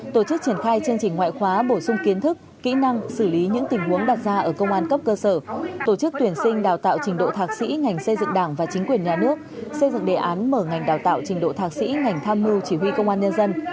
tổ chức triển khai chương trình ngoại khóa bổ sung kiến thức kỹ năng xử lý những tình huống đặt ra ở công an cấp cơ sở tổ chức tuyển sinh đào tạo trình độ thạc sĩ ngành xây dựng đảng và chính quyền nhà nước xây dựng đề án mở ngành đào tạo trình độ thạc sĩ ngành tham mưu chỉ huy công an nhân dân